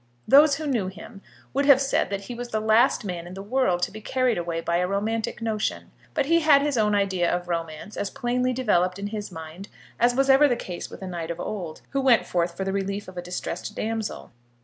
Those who knew him would have said that he was the last man in the world to be carried away by a romantic notion; but he had his own idea of romance as plainly developed in his mind as was ever the case with a knight of old, who went forth for the relief of a distressed damsel.